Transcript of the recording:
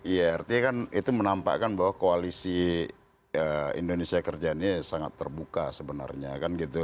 iya artinya kan itu menampakkan bahwa koalisi indonesia kerja ini sangat terbuka sebenarnya kan gitu